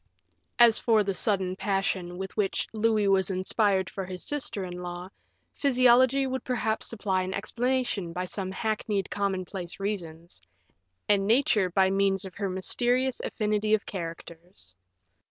As for the sudden passion with which Louis was inspired for his sister in law, physiology would perhaps supply an explanation by some hackneyed commonplace reasons, and nature by means of her mysterious affinity of characters.